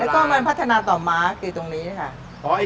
แล้วก็มันพัฒนาต่อม้าคือตรงนี้ค่ะ